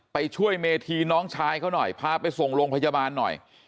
ไปช่วยเมธีน้องชายเขาหน่อยพาไปส่งโรงพยาบาลหน่อย